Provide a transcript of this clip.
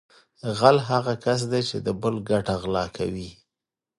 غل هغه کس دی چې د بل ګټه غلا کوي